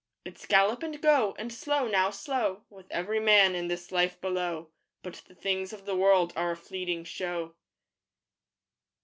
_It's "Gallop and go!" and "Slow, now, slow!" With every man in this life below But the things of the world are a fleeting show.